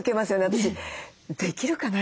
私「できるかな？